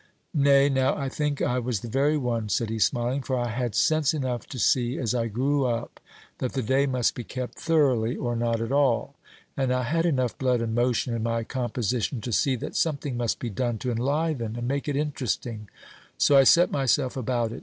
"Nay, now, I think I was the very one," said he, smiling, "for I had sense enough to see, as I grew up, that the day must be kept thoroughly or not at all, and I had enough blood and motion in my composition to see that something must be done to enliven and make it interesting; so I set myself about it.